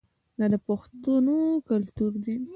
دا د پښتنو کلتور دی.